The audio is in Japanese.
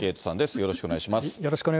よろしくお願いします。